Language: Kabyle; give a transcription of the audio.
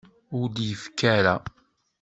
Ur d-yekfi ara.